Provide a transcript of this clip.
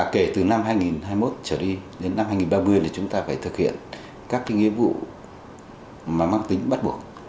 kể từ năm hai nghìn hai mươi một trở đi đến năm hai nghìn ba mươi là chúng ta phải thực hiện các cái nhiệm vụ mà mắc tính bắt buộc